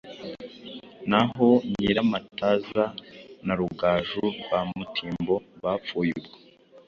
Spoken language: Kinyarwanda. na ho nyiramataza na rugaju rwa mutimbo bapfuye ubwo